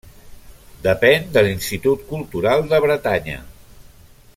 Depèn de l'Institut Cultural de Bretanya.